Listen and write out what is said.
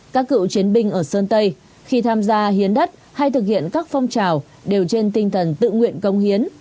các cựu chiến binh ở sơn tây khi tham gia hiến đất hay thực hiện các phong trào đều trên tinh thần tự nguyện công hiến